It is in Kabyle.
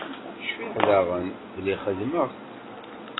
Cfiɣ daɣen belli xedmeɣ-t.